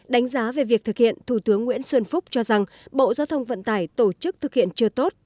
đánh giá về việc thực hiện thủ tướng nguyễn xuân phúc cho rằng bộ giao thông vận tải tổ chức thực hiện chưa tốt